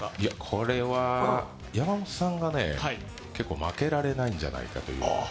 これは山本さんが結構負けられないんじゃないかという。